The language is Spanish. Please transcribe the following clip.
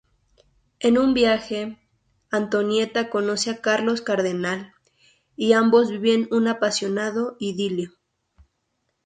En un viaje, Antonieta conoce a Carlos Cardenal y ambos viven un apasionado idilio.